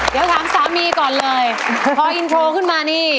เดี๋ยวถามสามีก่อนเลยพออินโทรขึ้นมานี่